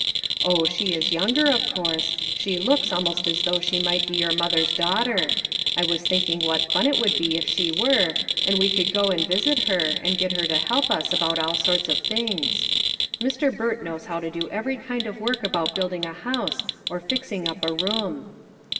Oh ! she is younger, of course ; she looks almost as though she might be your mother's daughter. I was thinking what fun it would be if she were, and we could go and visit her, and get her to help 342 LITTLE FISHEKS: AND THEIR NETS. us about all sorts of things. Mr. Burt knows how to do every kind of work about building a house, or fixing up a room."